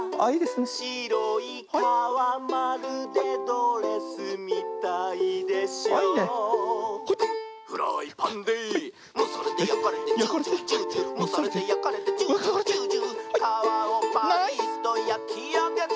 「しろいかわまるでドレスみたいでしょ」「フライパンでむされてやかれてジュージュージュージュー」「むされてやかれてジュージュージュージュー」「かわをパリッとやきあげて」